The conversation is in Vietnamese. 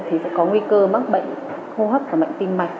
thì có nguy cơ mắc bệnh hô hấp và bệnh tim mạch